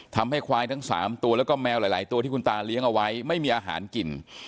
ทำให้ควายทั้ง๓ตัวแล้วก็แมวหลายตัวที่คุณตาเลี้ยงเอาไว้ไม่มีอาหารกิน